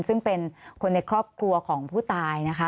ซึ่งเป็นคนในครอบครัวของผู้ตายนะคะ